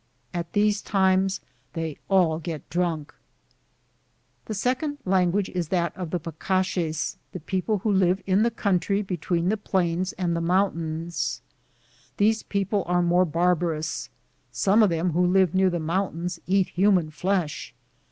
At these times they all get drunk. The second language is that of the Pac azes, the people who live in the country between the plains and the mountains. These people are more barbarous. Some of them who live near the mountains eat hu man flesh.